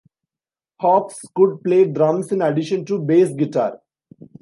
Hawkes could play drums in addition to bass guitar.